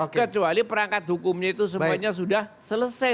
kecuali perangkat hukumnya itu semuanya sudah selesai